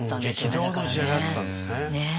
激動の時代だったんですね。